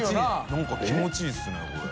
何か気持ちいいですねこれ。